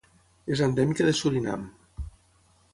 És endèmica de Surinam.